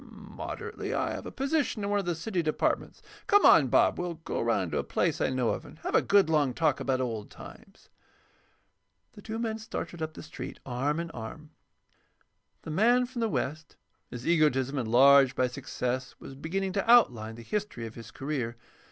"Moderately. I have a position in one of the city departments. Come on, Bob; we'll go around to a place I know of, and have a good long talk about old times." The two men started up the street, arm in arm. The man from the West, his egotism enlarged by success, was beginning to outline the history of his career.